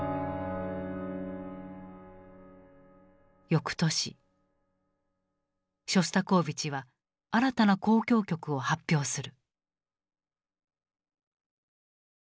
翌年ショスタコーヴィチは新たな交響曲を発表する。